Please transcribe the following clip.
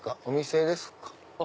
お店ですか？